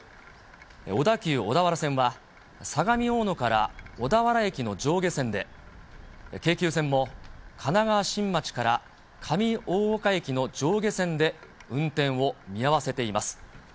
小田急小田原線は、相模大野から小田原駅の上下線で、京急線も神奈川新町から上大岡駅の上下線で運転を見合わせています。